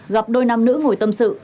gặp đôi nam nữ ngồi tâm sự